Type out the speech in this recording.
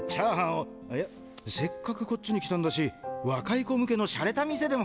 いやせっかくこっちに来たんだし若い子向けのシャレた店でも。